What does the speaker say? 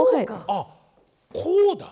あっこうだ。